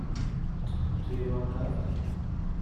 تویِ وان نرفتی؟